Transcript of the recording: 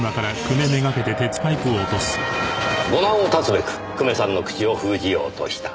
後難を断つべく久米さんの口を封じようとした。